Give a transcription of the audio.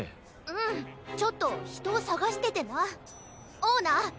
うんちょっとひとをさがしててなオーナー